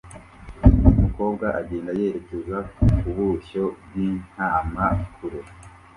Umukobwa agenda yerekeza ku bushyo bw'intama kure